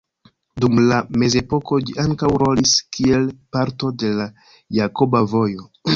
Dum la mezepoko ĝi ankaŭ rolis kiel parto de la Jakoba Vojo.